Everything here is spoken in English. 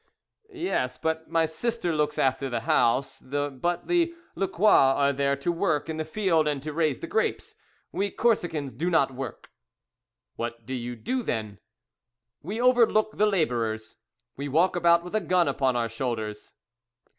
"Yes, but my sister looks after the house; but the Lucquois are there to work in the field, and to raise the grapes. We Corsicans do not work." "What do you do, then?" "We overlook the labourers. We walk about with a gun upon our shoulders."